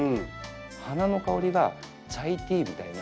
花の香りがチャイティーみたいな。